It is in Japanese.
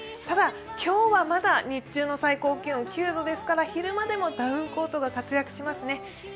ただ、今日はまだ日中の最高気温１９度ですから昼間でもダウンコートが活躍しますね。